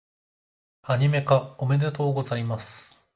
アニメ化、おめでとうございます！